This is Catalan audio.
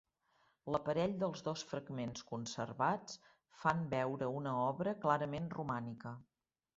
L'aparell dels dos fragments conservats fan veure una obra clarament romànica.